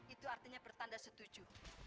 itu artinya bertanda setuju